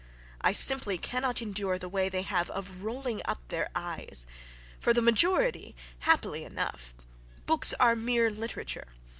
I simply cannot endure the way they have of rolling up their eyes.—For the majority, happily enough, books are mere literature.